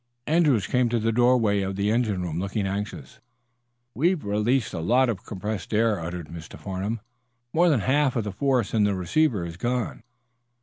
Andrews came to the doorway of the engine room, looking anxious. "We've released a lot of compressed air," uttered Mr. Farnum. "More than half of the force in the receiver is gone."